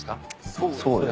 そうですね。